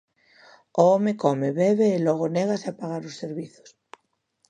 O home come, bebe e logo négase a pagar os servizos.